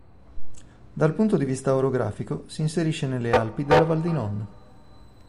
Dal punto di vista orografico si inserisce nelle Alpi della Val di Non.